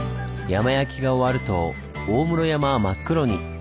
山焼きが終わると大室山は真っ黒に。